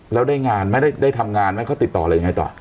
แล้วได้งานไหมได้ทำงานไหมเขาติดต่ออะไรยังไงต่อ